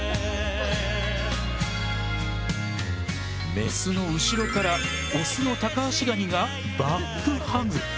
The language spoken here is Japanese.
メスの後ろからオスのタカアシガニがバックハグ。